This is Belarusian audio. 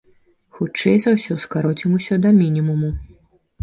Хутчэй за ўсё, скароцім ўсё да мінімуму.